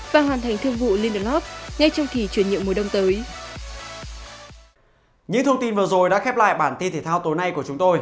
và hoàn thành thương vụ lindelof ngay trong khi chuyển nhượng mùa đông